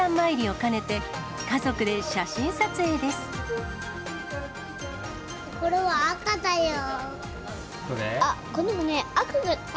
これは赤だよー。